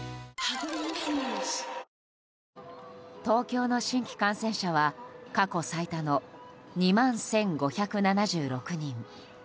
東京の新規感染者は過去最多の２万１５７６人。